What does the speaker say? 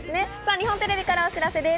日本テレビからお知らせです。